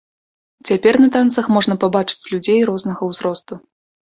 Цяпер на танцах можна пабачыць людзей рознага ўзросту.